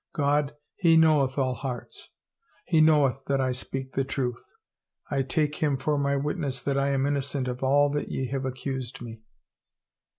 God, He knoweth all hearts. He know eth that I speak the truth. I take Him for my witness that I am innocent of all that ye have accused me."